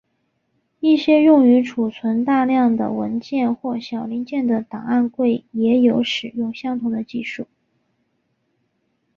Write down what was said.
一些用于储存大量的文件或小零件的档案柜也有使用相同的技术。